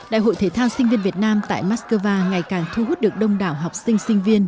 đại hội thể thao sinh viên việt nam tại moscow ngày càng thu hút được đông đảo học sinh sinh viên